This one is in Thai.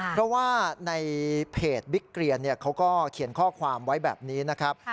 เพราะว่าในเพจบิ๊กเกรียนเขาก็เขียนข้อความไว้แบบนี้นะครับ